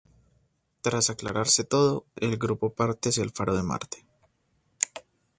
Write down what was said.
Tras aclararse todo, el grupo parte hacia el Faro de Marte.